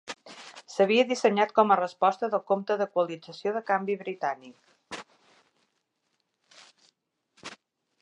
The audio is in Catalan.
S'havia dissenyat com a resposta del Compte d'Equalització de Canvi Britànic.